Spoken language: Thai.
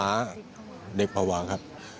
กลัวโดนตีอ้าวหลวงตีอ้าว